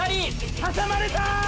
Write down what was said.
挟まれた！